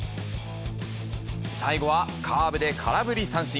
最後はカーブで空振り三振。